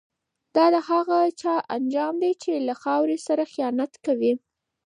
دا د هغه چا انجام دی چي له خاوري سره خیانت کوي.